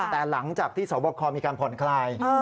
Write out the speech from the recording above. แต่หลังจากที่สวบคอมีการผ่อนคลาย